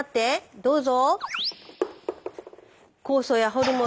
どうぞ。